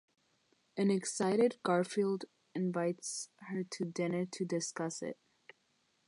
An excited Garfield invites her to dinner to discuss it.